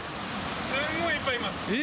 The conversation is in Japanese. すんごいいっぱいいます。